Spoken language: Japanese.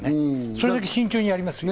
それだけ慎重にやりますよ。